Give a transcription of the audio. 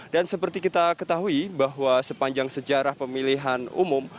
dan seperti kita ketahui bahwa sepanjang sejarah pemilihan umum